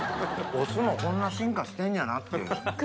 お酢もこんな進化してんやなっていう。